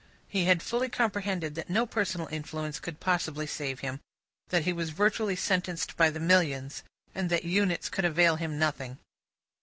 He had fully comprehended that no personal influence could possibly save him, that he was virtually sentenced by the millions, and that units could avail him nothing.